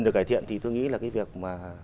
được cải thiện thì tôi nghĩ là cái việc mà